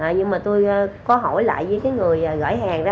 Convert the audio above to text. nhưng mà tôi có hỏi lại với cái người gửi hàng đó